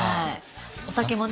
お酒もね。